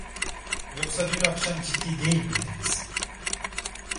Yoksa dün akşam ciddi değil miydiniz?